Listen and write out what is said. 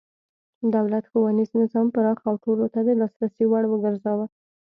دولت ښوونیز نظام پراخ او ټولو ته د لاسرسي وړ وګرځاوه.